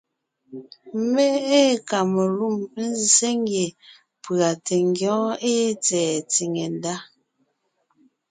Mé ée kamelûm nzsé ngie pʉ̀a tɛ ngyɔ́ɔn ée tsɛ̀ɛ tsìŋe ndá: